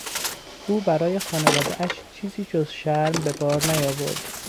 او برای خانوادهاش چیزی جز شرم به بار نیاورد.